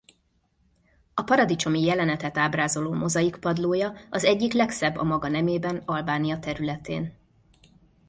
A paradicsomi jelenetet ábrázoló mozaikpadlója az egyik legszebb a maga nemében Albánia területén.